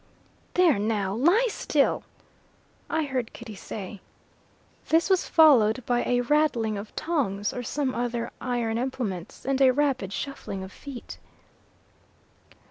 "There now. Lie still!" I heard Kitty say. This was followed by a rattling of tongs, or some other iron implements, and a rapid shuffling of feet.